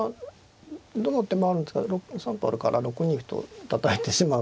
どの手もあるんですが３歩あるから６二歩とたたいてしまう。